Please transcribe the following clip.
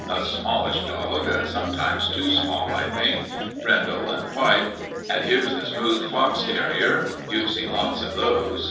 A smallish dog sometimes too small, I think brindle and white. And here's the smooth fox terrier. You've seen lots of those.